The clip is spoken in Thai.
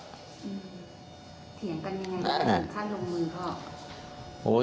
เถียงกันยังไงท่านลงมือพ่อ